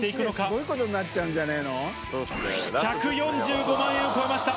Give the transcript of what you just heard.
すごいことになっちゃうんじ１４５万円を超えました。